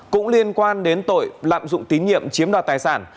cũng liên quan đến tội lạm dụng tín nhiệm chiếm đoạt tài sản